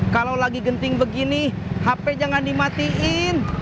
kalau lagi genting begini hp jangan dimatiin